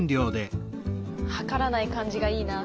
量らない感じがいいな。